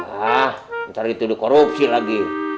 ah ntar gitu dikorupsi lagi